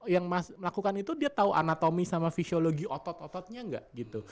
yang melakukan itu dia tahu anatomi sama fisiologi otot ototnya nggak gitu